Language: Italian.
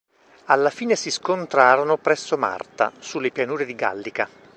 Alla fine si scontrarono presso Marta, sulle pianure di Gallica.